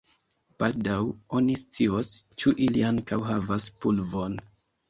Baldaŭ oni scios, ĉu ili ankaŭ havas pulvon.